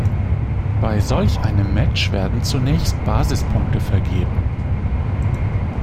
Bei solch einem Match werden zunächst Basispunkte vergeben.